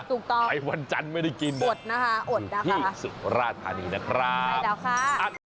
ถูกต้องอดนะคะอดนะคะไปที่สุราธานีนะครับ